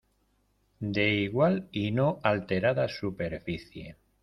De igual y no alterada superficie.